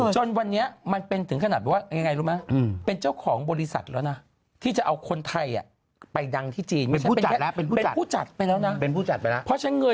ชุดกรุงเทพฯมหานครอมรรัตนโกศินสุดพร้อม